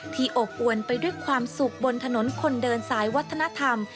อบอวนไปด้วยความสุขบนถนนคนเดินสายวัฒนธรรม